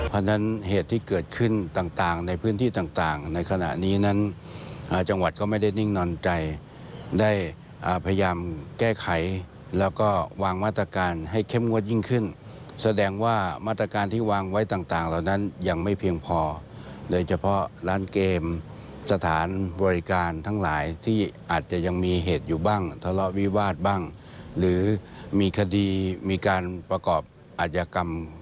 คือมีคดีมีการประกอบอาจกรรม